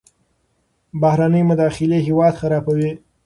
بهرنۍ مداخلې هیواد خرابوي.